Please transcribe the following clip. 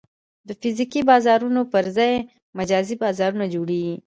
د فزیکي بازارونو پر ځای مجازي بازارونه جوړېږي.